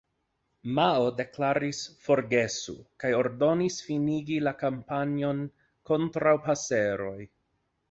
Mao deklaris "forgesu", kaj ordonis finigi la kampanjon kontraŭ paseroj.